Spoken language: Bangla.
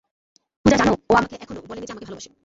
পূজা জানো, ও আমাকে এখনো, বলেন নি যে আমাকে ভালবাসে।